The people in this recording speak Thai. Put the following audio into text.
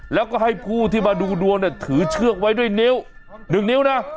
แล้วก็ให้ผู้ที่มาดูดวงถือเชือกไว้ด้วยนิ้ว๑นิ้วนะ